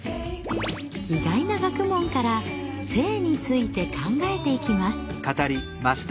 意外な学問から性について考えていきます。